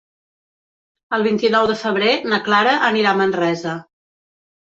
El vint-i-nou de febrer na Clara anirà a Manresa.